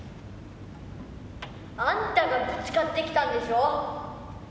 あんたがぶつかってきたんでしょう？